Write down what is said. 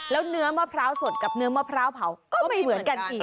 แล้วเนื้อมะพร้าวสดกับเนื้อมะพร้าวเผาก็ไม่เหมือนกันอีก